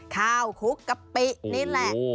คลุกกะปินี่แหละ